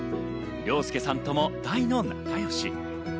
諒介さんとも大の仲良し。